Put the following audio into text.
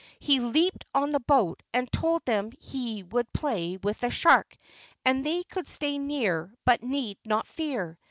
He leaped on the boat and told them he would play with the shark and they could stay near but need not fear.